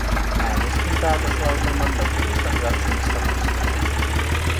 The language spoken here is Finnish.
Äänestin päätöslauselman lopullista hyväksymistä vastaan.